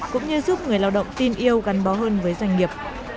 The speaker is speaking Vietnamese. cũng như giúp người lao động tin yêu gắn bó hơn với doanh nghiệp